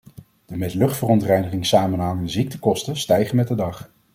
De met luchtverontreiniging samenhangende ziektekosten stijgen met de dag.